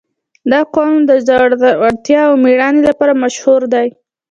• دا قوم د زړورتیا او مېړانې لپاره مشهور دی.